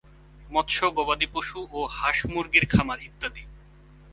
মৎস্য, গবাদিপশু ও হাঁস-মুরগির খামার ইত্যাদি।